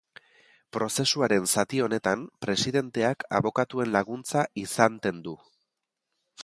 Prozesuaren zati honetan presidenteak abokatuen laguntza izanten du.